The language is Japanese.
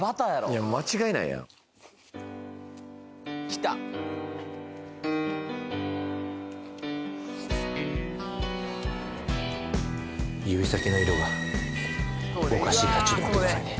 いや間違いないやんきた指先の色がおかしいからちょっと待ってくださいね